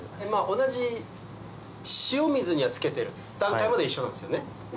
同じ塩水には漬けてる段階まで一緒なんですよね？